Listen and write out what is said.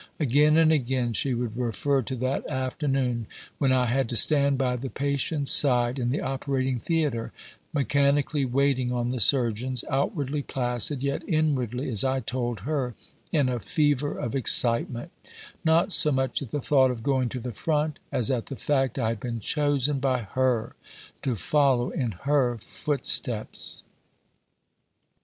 Again and again she would refer to that afternoon when I had to stand by the patient's side in the operating theatre, mechanically waiting on the surgeons, outwardly placid, yet inwardly, as I told her, in a fever of excitement, not so much at the thought of going to the front, as at the fact I had been chosen by her to follow in her footsteps.